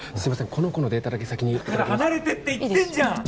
この子のデータだけ先にだから離れてって言ってんじゃん！